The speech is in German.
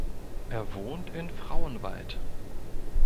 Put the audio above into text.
Er wohnt in Frauenwald.